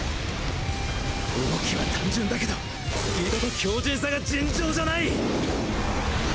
動きは単純だけどスピードと強靭さが尋常じゃない！